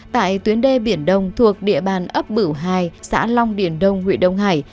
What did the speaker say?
tại tuyến đê biển đông thuộc địa bàn ấp bửu hai xã long điền đông huyện đông hải